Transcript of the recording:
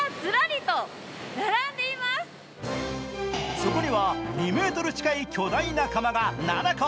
そこには２ｍ近い巨大な釜が７個。